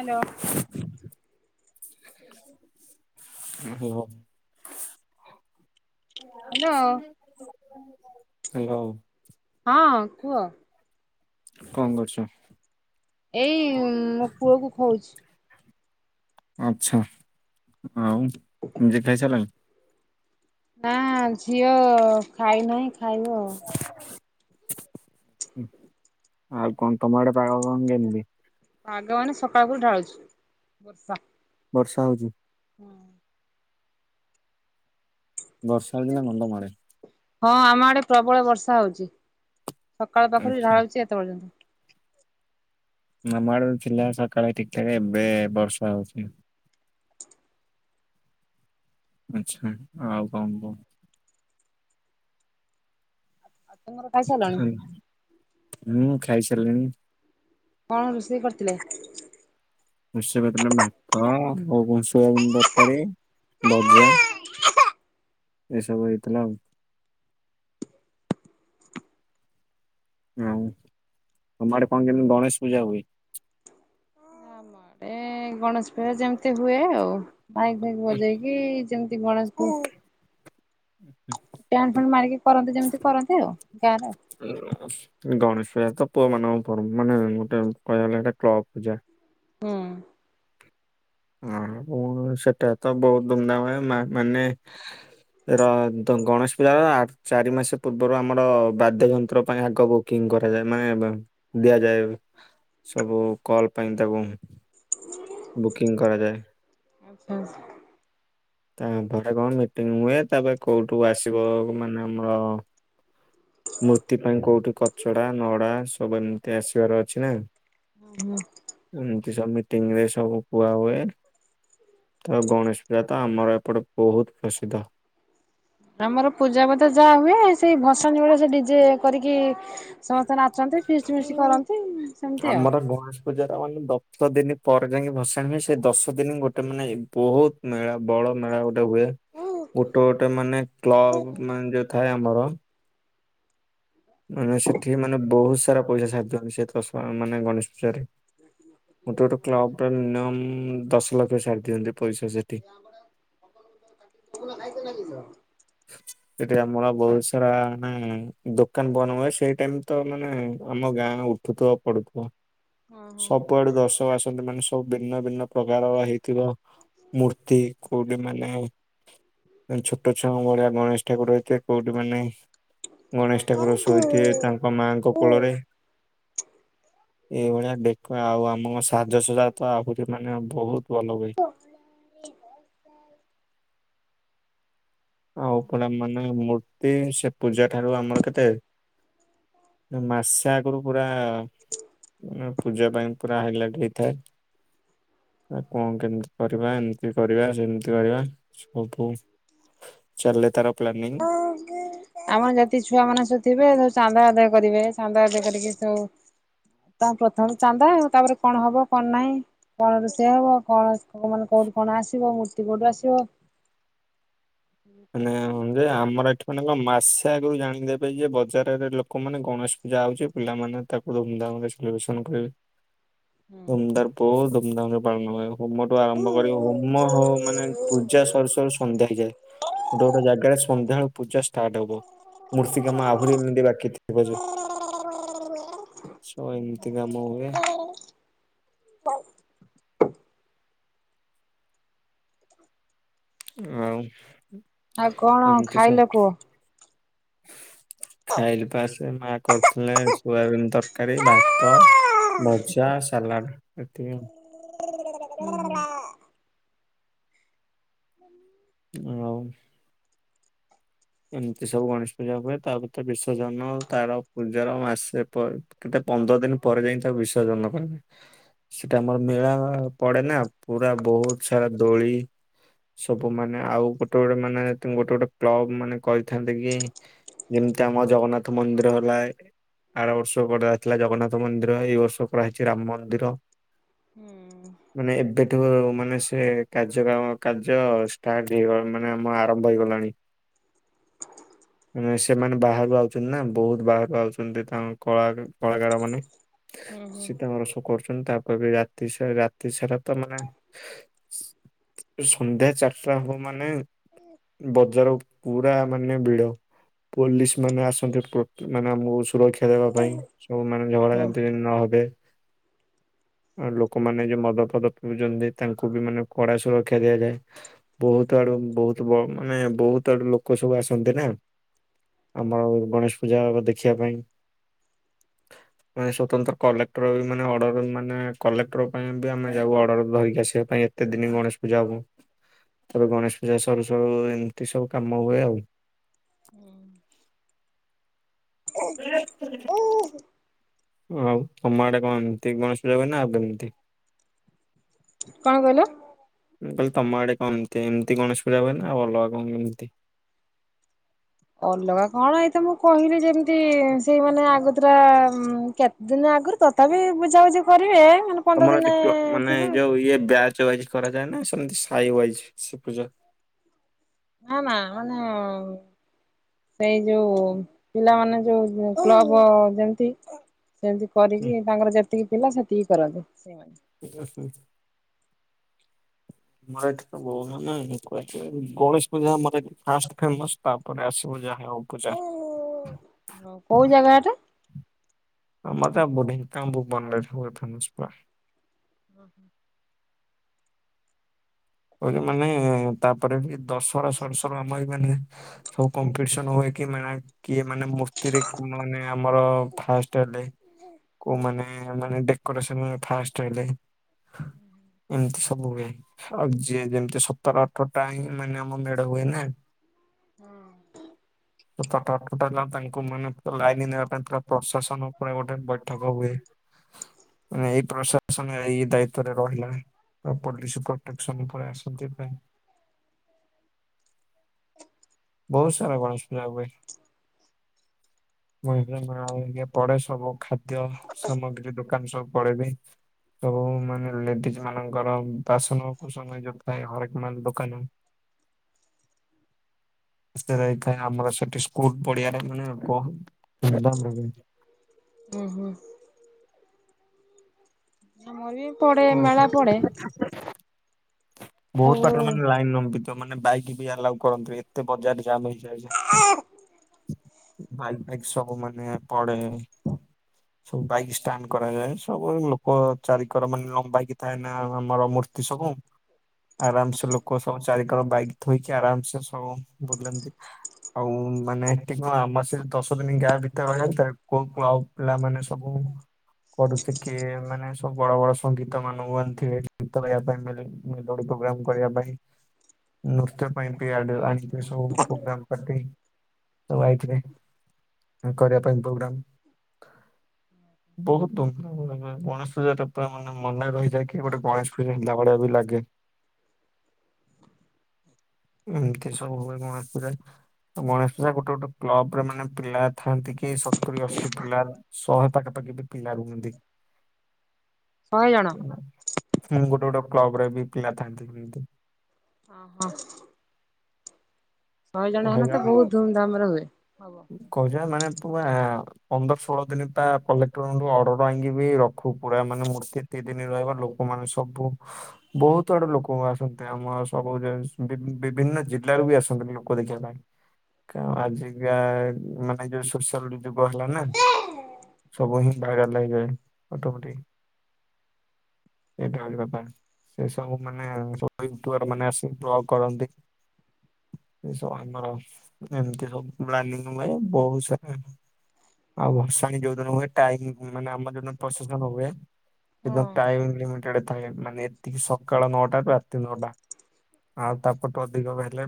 Hello. ହଁ କୁହ। Hello hello. ହଁ କୁହ। କଁ କରଚୁ? ଏଇ ମୋ ପୁଅକୁ ଖୋଉଚି। ଆଚ୍ଛା ଆଉ ନିଜେ ଖାଇସାଲଣି? ନାଁ ଝିଅ ଖାଇନାହିଁ ଖାଇବ ଆଉ। ଆଉ କଣ ତମ ଆଡେ ପାଗ କଁ କେମିତି। ପାଗ ମାନେ ସକାଳ ହୁ ଢାଳୁଛି ବର୍ଷା। ବର୍ଷା ହଉଚି? ହଁ। ବର୍ଷା ଦିନ କଁ ତମ ଆଡ଼େ? ହଁ ଆମ ଆଡ଼େ ପ୍ରବଳ ବର୍ଷା ହଉଚି ସକାଳ ପାଖରୁ ଆଚ୍ଛା ଢାଲୁଚି ଏତେ ପର୍ଯ୍ୟନ୍ତ। ଉଁ ଆମ ଆଡ଼ର ଥିଲା ସକାଳେ ଠିକ୍ ଠାକେ ଏବେ ବର୍ଷା ହଉଚି। ଆଚ୍ଛା ଆଉ କଁ କୁଅ। ଆଉ ତମର ଖାଇସାଲଣି? ମୁଁ ଖାଇ ସାରଲିଣି। କଣ ରୋଷେଇ କରିଥିଲେ? ରୋଷେଇ କରଥିଲେ ଭାତ ଆଉ କଁ ଶୋୟାବିନ୍ ତରକାରୀ ଭଜା। ଏସବୁ ହେଇଥିଲା ଆଉ। ହଁ ତମ ଆଡେ କଁ କେମିତି ଗଣେଶ ପୂଜା ହୁଏ? ଆମ ଆଡ଼େ ଏ ଗଣେଶ ପୂଜା ଯେମିତି ହୁଏ ଆଉ ମାଇକି ଫାଇକି ବଜେଇକି ଯେମତି ଗଣେଶ ପୂ ଆ ଟେଣ୍ଟ ଫେଣ୍ଟ ମାରିକି କରନ୍ତି ଯେମିତି କରନ୍ତି ଆଉ ଗାଁରେ। ଗଣେଶ ପୂଜା ତ ପୁଅମାନଙ୍କ ପର ମାନେ ଗୋଟେ କହିବାକୁ ଗଲେ ଗୋଟେ କ୍ଲବ ପୂଜା। ହୁଁ ହଁ ଓ ସେଟା ତ ବହୁ ଧୁମଧାମରେ ମା ମାନେ ର ଦ ଗଣେଶ ପୂଜାର ଆ ଚାରି ମାସେ ପୂର୍ବରୁ ଆମର ବାଦ୍ୟ ଯନ୍ତ୍ର ପାଇଁ ଆଗ ବୁ କିଂ କରାଯାଏ ମାନେ ବା ଦିଆଯାଏ ସବୁ କଲ୍ ପାଇଁ ତାକୁ। ବୁକିଂ କରାଯାଏ। ଆଚ୍ଛା। ତାପରେ କଣ ମିଟିଙ୍ଗି ହୁଏ ତାପରେ କୋଉଠୁ ଆସିବ ମାନେ ଆମର ମୂର୍ତ୍ତି ପାଇଁ କୋଉଠି କଚଡା ନଡା ସବୁ ଏମିତି ଆସିବାର ଅଛି ନା। ଏମିତି ସବୁ ମିଟିଙ୍ଗରେ ସବୁ କୁହା ହୁଏ। ଆଉ ଗଣେଶ ପୂଜା ତ ଆମର ଏପଟେ ବହୁତ ପ୍ରସିଦ୍ଧ। ଆମର ପୂଜା କଥା ଯାହା ହୁଏ, ସେଇ ଭସାଣି ବେଳେ ସେ ଡିଜେ କରିକି ସମସ୍ତେ ନାଚନ୍ତି ଫିଷ୍ଟ୍ ଫିଷ୍ଟ୍ କରନ୍ତି ସେମିତି ଆଉ। ଆମର ଗଣେଶ ପୂଜାର ମାନେ ଦଶ ଦିନ ପରେ ଯାଇକି ଭସାଣି ହୁଏ। ସେ ଦଶ ଦିନ ଗୋଟେ ମାନେ ବହୁତ ମେଳା ବଳ ମେଳା ଗୋଟେ ହୁଏ ଗୋଟେ ଗୋଟେ ମାନେ କ୍ଲବ ମାନେ ଯୋଉ ଥାଏ ଆମର ମାନେ ସେଠି ମାନେ ବହୁତ ସାରା ପଇସା ସାରି ଦିଅନ୍ତି ସେ ତ ମାନେ ଗଣେଶ ପୂଜାରେ। ଗୋଟେ ଗୋଟେ କ୍ଲବରେ ମିନିୟମ୍ ଦଶ ଲକ୍ଷ ଛାଡି ଦିଅନ୍ତି ପଇସା ସେଠି। [unintelligible] ସେଠି ଆମର ବହୁତ ସାରା ମାନେ ଦୋକାନ ବନା ହୁଏ। ସେଇ ଟାଇମ ତ ମାନେ ଆମ ଗାଁର ଉଠୁଥିବ ପଡୁଥିବ। ଓ ହୋ। କୁଆଡୁ ଦର୍ଶକ ଆସନ୍ତି ମାନେ ସବୁ ଭିନ୍ନ ଭିନ୍ନ ପ୍ରକାର ହେଇଥିବ ମୂର୍ତ୍ତି କୋଉଠି ମାନେ ଛୋଟ ଛୁଆଙ୍କ ଭଳିଆ ଗଣେଶ ଠାକୁର ହେଇଥିବେ, କୋଉଠି ମାନେ ଗଣେଶ ହଁ ଠାକୁର ଶୋଇଥିବେ ତାଙ୍କ ମାଙ୍କ ହଁ। କୋଳରେ। ଏଇଭଳିଆ ଦେଖ ଆଉ ଆମ ସାଜସଜା ତ ଆହୁରି ମାନେ ବହୁତ ଭଲ ହୁଏ। [inaudible] ଆଉ ପୁରା ମାନେ ମୂର୍ତ୍ତି ସେ ପୂଜା ଠାରୁ ଆମର କେତେ ମାସେ ଆଗୁରୁ ପୁରା ମାନେ ପୂଜା ପାଇଁ ପୁରା ହାଇଲାଇଟ ହେଇଥାଏ। ଆଉ କଣ କେମିତି କରିବା, ଏମିତି କରିବା, ସେମିତି କରିବା ସବୁ? ଚାଲେ ତାର ପ୍ଲାନିଂ [unintelligible] ଆମର ଯେତିକି ଛୁଆ ମାନେ ସବୁ ଥିବେ, ସବୁ ଚାନ୍ଦା ଆଦାୟ କରିବେ। ଚାନ୍ଦା ଆଦାୟ କରିକି ସବୁ ତା ପ୍ରଥମେ ଚାନ୍ଦା ତାପରେ କଣ ହବ କଣ ନାହିଁ କଣ ରୋଷେଇ ହବ, କଣ ମାନେ କୋଉଠୁ କଣ ଆସିବ, ମୂର୍ତ୍ତି କୋଉଠୁ ଆସିବ? ମାନେ କରିକି ହଁ ଇଏ ଯେ ଆମର ଏଠି ମାନେ ଙ୍କ ମାସେ ଆଗରୁ ଜାଣିଦେବେ ପାଇଁ ଯେ ବଜାରରେ ଲୋକମାନେ ଗଣେଶ ପୂଜା ହଉଛି, ପିଲାମାନେ ତାକୁ ଧୁମଧାମରେ ସେଲିବ୍ରେସନ କରିବେ। କରନ୍ତି। ଧୁମଦାର ବହୁତ ଧୁମଧାମରେ ପାଳନ କରିବେ [unintelligible] [unintelligible] ହୁଁ। ଆରମ୍ଭ କରିବ ହୋମ ହଉ ମାନେ ପୂଜା ସରୁସରୁ ସନ୍ଧ୍ୟା ହେଇଯାଏ। ଗୋଟେ ଗୋଟ ଜାଗାରେ ସନ୍ଧ୍ୟା ପୂଜା ଷ୍ଟାର୍ଟ ହବ, ମୂର୍ତ୍ତି କାମ ଆହୁରି ଏମିତି ବାକି ଥିବ ଯେ ସବୁ ଏମିତି କାମ ହୁଏ। ହ [unintelligible] [inaudible] ଆଉ ଆଉ କଣ ଏମିତି ଖାଇଲ କୁହ? ଖାଇଲେ ପା ସେ ମା କରିଥିଲେ ସୋୟାବିନ ତରକାରୀ, ଭାତ ହୁଁ ଭଜା ଆଉ ସାଲାଡ଼ ଏତିକି ଆଉ। [inaudible] ହୁଁ। ଆଉ ଏମିତି ସବୁ ଗଣେଶ ପୂଜା ହୁଏ ତା ଭିତରେ ବିସର୍ଜନ ତାର ପୂଜାର ମାସ ପରେ କେତେ ପନ୍ଦର ଦିନ ପରେ ଯାଇ ତାକୁ ବିସର୍ଜନ କରେ। ସେଟା ଆମର ମେଳା ପଡେ ନା ପୁରା ବହୁତ ସାରା ଦୋଳି ସବୁ ମାନେ ଆଉ ଗୋଟେ ଗୋଟେ ମାନେ ଗୋଟେ ଗୋଟେ କ୍ଲବ ମାନେ କହିଥାନ୍ତି କି ଯେମିତି ଆମ ଜଗନ୍ନାଥ ମନ୍ଦିର ହେଲା। ଆର ବର୍ଷ ଗଢାହେଇଥିଲା ଜଗନ୍ନାଥ ମନ୍ଦିର ଏଇ ବର୍ଷ କରା ହେଇଛି ରାମ ମନ୍ଦିର। [inaudible] ମାନେ ଏବେଠୁ ମାନେ ସେ କାର୍ଯ୍ୟ କାର୍ଯ୍ୟ ଷ୍ଟାର୍ଟ ହେଇଗ ମାନେ ଆମ ଆରମ୍ଭ ହେଇଗଲାଣି। ମେ ସେମାନେ ବାହାରୁ ଆଉଛନ୍ତି ନା ବହୁତ ବାହାରକୁ ଆଉଛନ୍ତି ତାଙ୍କ କଳା କଳାକାର ମାନେ। ହୁଁ ସେ ହୁଁ ତାଙ୍କର ସବୁ କରୁଛନ୍ତି ତାପରେ ବି ରାତି ସାରା ରାତି ସାରା ତ ମାନେ ସନ୍ଧ୍ୟା ଚାରିଟା ହବ ମାନେ ବଜାର ପୁରା ମାନେ ଭିଡ ପୋଲିସ ମାନେ ଆସନ୍ତି। [unintelligible] ସୁରକ୍ଷା ଦେବା ପାଇଁ ସବୁ ମାନ ଝଗଡ଼ା ଝାଣ୍ଟି ଯେମିତି ନ ହେବେ। ଆଉ ଲୋକମାନେ ଯଉ ମଦ ଫଦ ପିଉଛନ୍ତି ତାଙ୍କୁ ବି ମାନେ କଡା ସୁରକ୍ଷା ଦିଆଯାଏ। ବହୁତ ଆଡୁ ବହୁତ ମାନେ ବହୁତ ଆଡୁ ଲୋକ ସବୁ ଆସନ୍ତି ନା। ଆମର ଗଣେଶ ପୂଜା ଦେଖିବା ପାଇଁ। ମାନେ ସ୍ଵତନ୍ତ୍ର କଲେକ୍ଟର ବି ମାନେ ଅର୍ଡର ମାନେ କଲେକ୍ଟର ପାଇଁ ବି ଆମେ ଯାଉ ଅର୍ଡର ଧରିକି ଆସିବା ପାଇଁ। କେତେ ଦିନ ଗଣେଶ ପୂଜା ହବ ତାପରେ ଗଣେଶ ପୂଜା ସରୁ ସରୁ ଏମିତି ସବୁ କାମ ହୁଏ ଆଉ। ହୁଁ। [inaudible] [unintelligible] ଆଉ ତମ ଆଡେ କଣ ଏମିତି ଗଣେଶ ପୂଜା ହୁଏନା ନା ଆଉ କେମିତି? କଣ କହିଲ? ମୁଁ କହିଲ ତମ ଆଡେ କେମତି ଏମିତି ଗଣେଶ ପୂଜା ହୁଏନା ନା ଆଉ ଅଲଗା କଣ କେମିତି? ଅଲଗା କଣ ଏଇତ ମୁଁ କହିଲି ଯେମିତି ସେଇମାନେ ଆଗତୁରା କେତ ଦିନ ଆଗରୁ ତଥାପି ବୁଝାବୁଝି କରିବେ ମାନେ ପନ୍ଦର ତମର ଦିନ ମାନେ ଥିବେ ଯୋଉ ଇଏ ବ୍ୟାଜ ୱାଇଜ କରାଯାଏ ନା ସେମିତି ସାଇ ୱାଇଜ୍ ସେ ପୂଜ। ନା ମା ମାନେ ସେଇ ଯୋଉ ପିଲାମାନେ ଯୋଉ କ୍ଲବ ଯେମିତି। ସେମିତି ହୁଁ। କରିକି ତାଙ୍କର ଯେତିକି ପିଲା ସେତିକି କରନ୍ତି ସେମାନେ। [inaudible] [unintelligible] ବହୁ ନାଇଁ ଗଣେଶ ପୂଜା। [unintelligible] ଫାଷ୍ଟ ଫେମସ୍ ତାପରେ ଆସିବୁ ଯାହା ହଉ ପୂଜା। ଓ ଉ କୋଉ ଜାଗା ଏଟା। [unintelligible] ହୁଁ। [unintelligible] ମାନେ ତାପରେ ଦଶହରା। [unintelligible] ମାନେ ସବୁ କମ୍ପିଟିସନ ହୁଏ କି ମେଳା। କିଏ ମାନେ ମୂର୍ତ୍ତିରେ କୋଉ ମାନେ ଆମର ଫାଷ୍ଟ ଡେ କୋଉମାନେ ମାନେ ଡେକୋସନ ଫାଷ୍ଟ [unintelligible] ଏମିତି ସବୁ ହୁଏ। ଆଉ ଯିଏ ଯେମିତି ସତର ଆଠଟା ହିଁ ମାନେ ଆମ ମେଢ ହୁଏ ନା। ହୁଁ। ହ। [inaudible] ତଟଟ ହେଲା ତାଙ୍କୁ ମାନେୁର ଲାଇନ ନେବା ପାଇଁ ପୁରା ପ୍ରଶାସନ ଉପରେ ଗୋଟେ ବୈଠକ ହୁଏ। ଏଇ ପ୍ରଶାସନ ଏଇ ଦାୟିତ୍ଵରେ ରହିଲା ପୋଲିସ [unintelligible] ଆସନ୍ତି ପାଇଁ। ବହୁତ ସାରା ଗଣେଶ ପୂଜା ହୁଏ। ମହିଳା [unintelligible] ପଡେ ସବୁ ଖାଦ୍ୟ ସାମଗ୍ରୀ ଦୋକାନ ସବୁ। ପଡେ ବି ସବୁ ମାନେ ଲେଡିଜ ମାନଙ୍କର ବାସନ ସମୟ ଯୋଗଥାଏ ହରେକ ମାଲ ଦୋକାନ। [unintelligible] ଆମର ସେଠି ସ୍କୁଲ ପଡିଆରେ ମାନେ କହ [unintelligible] ଉଁ ହୁଁ। ଆମର ବି ପଡେ ହୁଏ। ମେଳା ପଡେ। ବହୁତ ସବୁ ପାଟରେ ମାନେ ଲାଇନ ନମ ମାନେ ବାଇକ୍ ବି ଆଲାଉ କରନ୍ତି ଏତେ ବଜାର ଜାମ୍ ହେଇଯାଏ ଯେ। ଆଁ ବାଇକ ଫାଇକ୍ ସବୁ ମାନେ ପଡେ। ବାଇକ ଷ୍ଟାଣ୍ଡ କରାଯାଏ ସବୁ ଲୋକ ଚାରିିକର ମାନେ ଲମ୍ବାଇକି ଥାଏ ନା ଆମର ମୂର୍ତ୍ତି ସବୁ। ଆରାମସେ ଲୋକ ସବୁ ଚାରି କଣ ବାଇକ ଥୋଇକି ଆରାମସେ ସବୁ ବୁଲନ୍ତି। ଆଉ ମାନେ ଏଠି କଁ ଆମ ସେ ଦଶ ଦିନି ଗାଁ ଭିତରେ ରହିଆ ଭିତରେ କୋଉ ଆଉ ପିଲାମାନେ ସବୁ କରୁଛି କିଏ ମାନେ ସବୁ ବଡ ବଡ ସଙ୍ଗୀତ ମାନଙ୍କୁ ଆଣଥିବେ ଗୀତ ଗାଇବା ପାଇଁ ମେଲୋଡି [unintelligible] ପ୍ରୋଗ୍ରାମ କରିବା ପାଇଁ ନୃତ୍ୟ ପାଇଁ ପିଆଡ ଆଣି ଏ ସବୁ ପୋଗ୍ରାମ ପାଟି। ସବୁ ଆଇଥିବେ କରିଆ ପାଇଁ ପୋଗ୍ରାମ। ବହୁତ ଧୁମଧାମ ମାନେ ଗଣେଶ ପୂଜା ଟା ପୁରା ମାନେ ମନେ ରହିଯାଏକି ଗୋଟେ ଗଣେଶ ପୂଜା ହେଲା ଭଳିଆ ବି ଲାଗେ। ଏମତି ସବୁ ହୁଏ ଗଣେଶ ପୂଜାରେ, ଗଣେଶ ଗୋଟେ ଗୋଟେ କ୍ଲବ ରେ ମାନେ ପିଲା ଥାନ୍ତି କି ସତୁରି ଅଶୀ ପିଲା। ଶହେ ପାଖାପାଖି ବି ପିଲା ରୁହନ୍ତି। ଶହେ ଜଣ। ଉଁ ହୁଁ ଗୋଟେ ଗୋଟେ କ୍ଲବ ରେ ବି ପିଲା ଥାଆନ୍ତି କେମିତି। ଅଁ ହଁ। ଶହେ ଜଣ ହେନେ ତ ବହୁତ ଧୁମଧାମ ରେ ହୁଏ, ହବ। କହୁଚି ପା ମାନେ ପୁଆ ପନ୍ଦର ଷୋହଳ ଦିନ ତା କଲେକ୍ଟରଠୁ ଅର୍ଡର ଆଙ୍ଗି ବିି ରଖୁ ପୁରା ମାନେ ମୂର୍ତ୍ତି ଦି ଦିନି ରହିବ ଲୋକମାନେ ସବୁ ବହୁତ ଆଡୁ ଲୋକ ଆସନ୍ତି ଆମ ସବୁ ବିଭିନ୍ନ ଜିଲ୍ଲାରୁ ବି ଆସନ୍ତି ଲୋକ ଦେଖିବା ପାଇଁ। କ ଆଜିିକା ମାନେ ଯୋଉ ସୋସିଆଲ ଯୁଗ ହେଲା ନା। ସବୁ ହିଁ ଭାଇରାଲ ହେଇଗଲେଣି ଫଟ ଉଠେଇକି। ଏଇଟା ହୋଉଚି ବେପାର। ସେ ସବୁ ମାନେ ସବୁ ୟୁଟୁବର ମାନେ ଆସିିକି ବ୍ଲଗ କରନ୍ତି। ଏସବୁ ଆମର ଏମିତି ସବୁ ପ୍ଲାନିକ୍ ହୁଏ ବହୁତ ସାରା ଆଉ ଭଶାଣି ଯୋଉଦିନ ହୁଏ ଟାଇମ ମାନେ ଆମର ଯୋଉ ଦିନ ପ୍ରଶେଷନ ହୁଏ। ସେଇଦିନ ହଁ। ଟାଇମ୍ ଲିମିଟେଡ ଥାଏ ମାନେ ଏତିକି ସକାଳ ନଅଟାରୁ ରାତି ନଅଟା। ଆଉ ତାପଟୁ ଅଧିକ ହେଲେ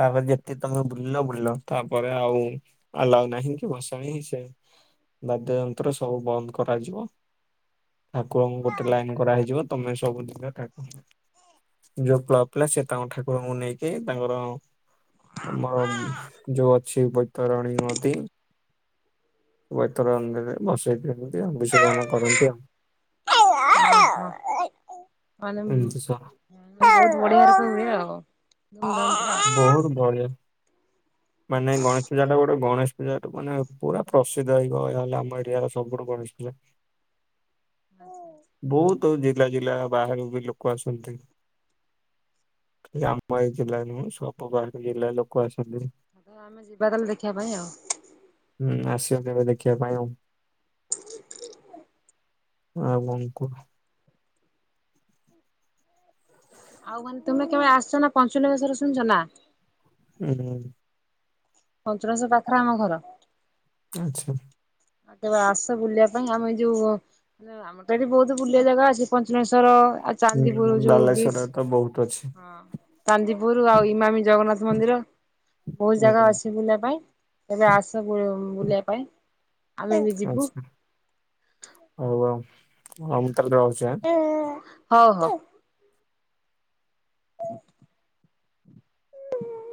ତାପରେ ଯେତେ ତମେ ବୁଲିଲ ବୁଲିଲ। ତାପରେ ଆଉ ଆଲାଉ ନାହିଁ କି ବସାଣି ସେ ବାଦ୍ୟ ଯନ୍ତ୍ର ସବୁ ବନ୍ଦ କରାଯିବ ଠାକୁରଙ୍କୁ ଗୋଟେ ଲାଇନ କରାହେଇଯିବ। ତମେ ସବୁଦିନ। [unintelligible] ଯୋଉ କ୍ଲବ୍ ପିଲା ସେ ତାଙ୍କ ଠାକୁରଙ୍କୁ ନେଇକି ତାଙ୍କର ଆମର ଯୋଉ ଅଛି ବୈତରଣୀ ନଦୀ ବୈତରଣୀରେ ଭସେଇଦେଲୁ। ସେ ବିସର୍ଜନ କରନ୍ତି ଆଉ। ଏମିତି ସବୁ [unintelligible] ଏଁ ଉଁ ଉଁ ବହୁତ ବଢିଆ ହବ ବଢିଆ [unintelligible] ବହୁତ ବଢିଆ ମାନେ ଗଣେଶ ପୂଜା ଟା ଗୋଟେ ଗଣେଶ। ଏଠୁଁ ମାନେ ପୁରା ପ୍ରସିଦ୍ଧ ହେଇକଲେ ଆମ ଏରିଆ ର ସବୁଠୁଁ ଗଣେଶ ପୂଜା। ହୁଁ ବହୁତ ଜିଲ୍ଲା ଜିଲ୍ଲା ବାହାରୁ ବି ଲୋକ ଆସନ୍ତି। ଖାଲି ଆମ ଏଜିଲ୍ଲା ନୁହଁ ସବୁ ବାହାର ଜିଲ୍ଲା ରୁ ଲୋକ ଆସନ୍ତି ତ ଆମେ ଯିବା ତାହେଲେ ଦେଖିବା ପାଇଁ ଆଉ। ହୁଁ ଆସିବ କେବେ ଦେଖିବା ପାଇଁ ଆଉ। [unintelligible] ଆଉଁ କଣ କୁହ। ଆଉ ମାନେ ତମେ କେବେ ଆସିଛ ନାଁ ପଞ୍ଚଲିଙ୍ଗେଶ୍ଵର ଶୁଣିଛ ନାଁ। ଉଁ ହୁଁ ପଞ୍ଚଲିଙ୍ଗେଶ୍ଵର ପାଖରେ ଆମ ଘର। ଆଚ୍ଛା ଆଉ କେବେ ଆସ ବୁଲିବା ପାଇଁ ଆମେ ଯିବୁ ଆମର ତ ବହୁତ ବୁଲିବା ଜାଗା ଅଛି ପଞ୍ଚଲିଙ୍ଗେଶ୍ୱର ଆଉ ହୁଁ ଚାନ୍ଦିପୁର ଯୋଉଁ ବିଚ୍। ବାଲେଶ୍ଵରରେ ତ ବହୁତ ଅଛି ହଁ ଚାନ୍ଦିପୁରୁ ଆଉ ଇମାମି ଜଗନ୍ନାଥ ମନ୍ଦିର ବହୁତ ଜାଗା ହୁଁ ଅଛି ବୁଲିବା ପାଇଁ ତେମେ ଆସ ବମ ବୁଲିବା ପାଇଁ। ଆମେ ବି ଯିବୁ ଆଚ୍ଛା ହଉ ଆଉ ହଉ ମୁଁ ତା ହେଲେ ରହୁଚି ଆ। ଏଁ ଏଁ ହଉଁ ହଉଁ। [unintelligible] ଉଁହୁଁ ଉଁ ଉଁ